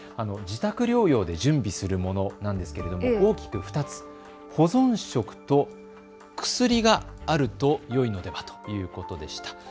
自宅療養で準備するものなんですけれども大きく２つ、保存食と薬があるとよいのではということでした。